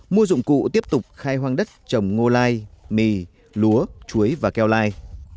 mua dụng cụ tiếp tục khai hoang đất trồng ngô lai mì lúa chuối và keo lai